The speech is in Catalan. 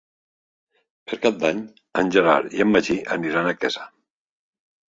Per Cap d'Any en Gerard i en Magí aniran a Quesa.